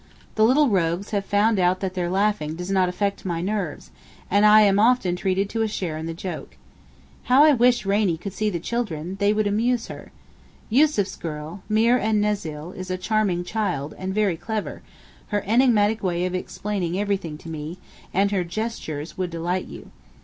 The little rogues have found out that their laughing does not 'affect my nerves,' and I am often treated to a share in the joke. How I wish Rainie could see the children: they would amuse her. Yussuf's girl, 'Meer en Nezzil,' is a charming child, and very clever; her emphatic way of explaining everything to me, and her gestures, would delight you.